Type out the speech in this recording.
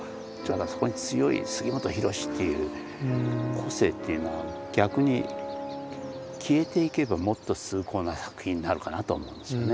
そこに強い杉本博司っていう個性っていうのは逆に消えていけばもっと崇高な作品になるかなと思うんですよね。